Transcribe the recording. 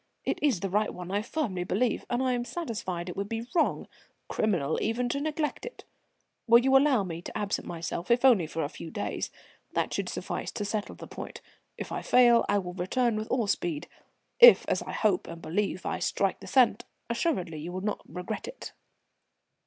It is the right one I firmly believe, and I am satisfied it would be wrong, criminal even to neglect it. Will you allow me to absent myself if only for a few days? That should suffice to settle the point. If I fail I will return with all speed. If, as I hope and believe, I strike the scent, assuredly you will not regret it."